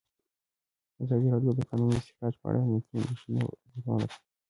ازادي راډیو د د کانونو استخراج په اړه د امنیتي اندېښنو یادونه کړې.